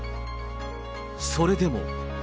それでも。